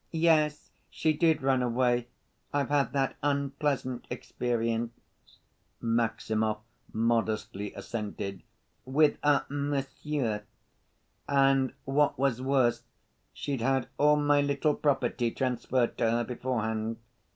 "Yes. She did run away. I've had that unpleasant experience," Maximov modestly assented, "with a monsieur. And what was worse, she'd had all my little property transferred to her beforehand.